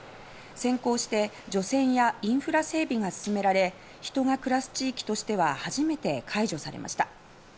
先行して除染やインフラ整備が進められ人が暮らす地域としては初めて解除されました。